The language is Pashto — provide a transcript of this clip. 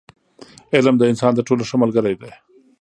• علم، د انسان تر ټولو ښه ملګری دی.